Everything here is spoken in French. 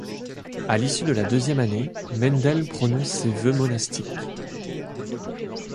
À l'issue de la deuxième année, Mendel prononce ses vœux monastiques.